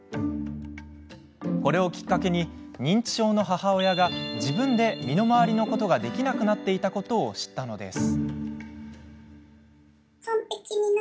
これをきっかけに認知症の母親が自分で身の回りのことができなくなっていたことを知ったのです。